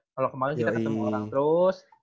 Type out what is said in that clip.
kalau kemarin kita ketemu orang terus